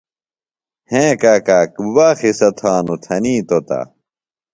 ہیں کاکا گُبا قِصہ تھانوۡ تھنیتوۡ تہ،